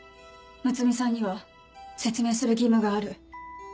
睦美さんには説明する義務がある。